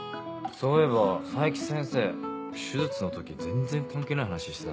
そういえば冴木先生手術の時全然関係ない話してた。